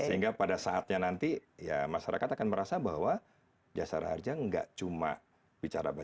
sehingga pada saatnya nanti ya masyarakat akan merasa bahwa jasa raja nggak cuma bicara bahasa jawa